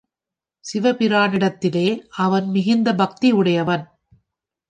சிவபிரானிடத்திலே அவன் மிகுந்த பக்தி உடையவன்.